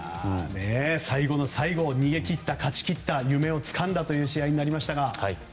最後の最後逃げ切った勝ち切った夢をつかんだ試合になりました。